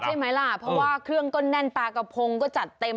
ใช่ไหมล่ะเพราะว่าเครื่องก็แน่นปลากระพงก็จัดเต็ม